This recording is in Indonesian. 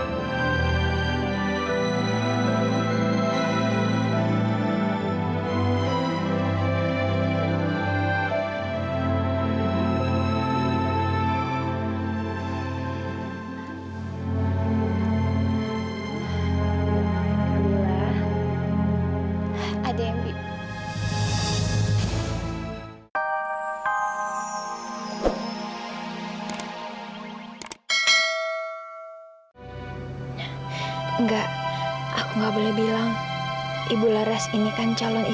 sampai jumpa di video selanjutnya